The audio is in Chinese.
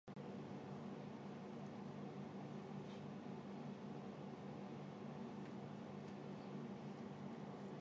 带广市